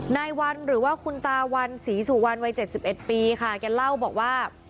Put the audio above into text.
นายวันหรือว่าคุณตาวันศรีสุวรรณวัย๗๑ปีค่ะแกเล่าบอกว่า